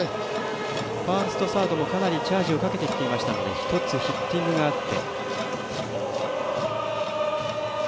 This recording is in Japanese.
ファースト、サードもかなりチャージをかけてきていましたので一つヒッティングがあって。